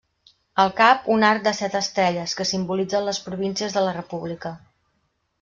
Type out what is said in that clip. Al cap, un arc de set estrelles que simbolitzen les províncies de la república.